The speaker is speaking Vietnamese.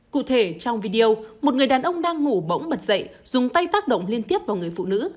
cụ thể trong video một người đàn ông đang ngủ bỗng bật dậy dùng tay tác động liên tiếp vào người phụ nữ